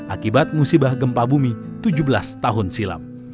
akibat musibah gempa bumi tujuh belas tahun silam